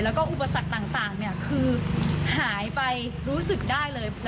และอุปสรรคต่างนี้หายไปรู้สึกได้เลย